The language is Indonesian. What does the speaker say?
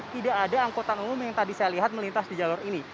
tidak ada angkutan umum yang tadi saya lihat melintas di jalur ini